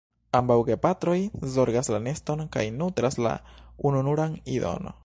Ambaŭ gepatroj zorgas la neston kaj nutras la ununuran idon.